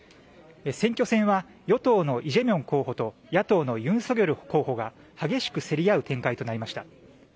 選挙戦は与党のイ・ジェミョン候補と野党のユン・ソギョル候補が激しく競り合う展開となりました。